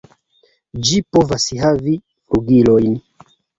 Ĝi povas havi flugilojn.